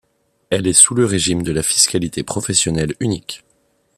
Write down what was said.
Elle est sous le régime de la fiscalité professionnelle unique.